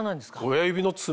親指の爪。